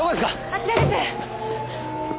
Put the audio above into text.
あちらです。